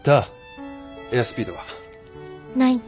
エアスピードは？